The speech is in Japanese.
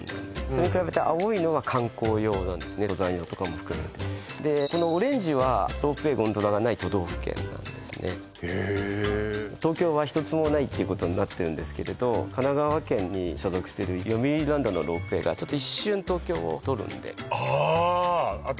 それに比べて青いのは観光用なんですね登山用とかも含めてでこのオレンジはロープウェイ・ゴンドラがない都道府県なんですねへえ東京は１つもないっていうことになってるんですけれど神奈川県に所属してるよみうりランドのロープウェイがちょっと一瞬東京を通るんであ私